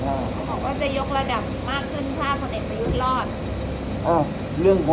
พี่หมอว่าจะยกระดับมากขึ้นค่ะเษฟตายนะพี่หมอ